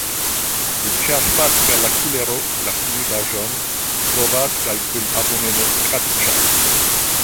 Li ĉerpas per la kulero la fluidaĵon, provas kaj kun abomeno kraĉas.